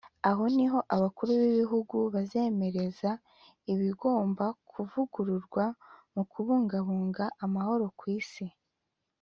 Aho niho abakuru b’Ibihugu bazemereza ibigomba kuvugururwa mu kubungabunga amahoro ku isi